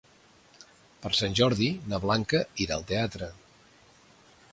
Per Sant Jordi na Blanca irà al teatre.